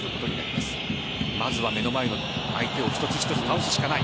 まずは目の前の相手を一つ一つ倒すしかない。